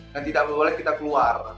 dan tidak boleh kita keluar